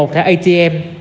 một mươi một thẻ atm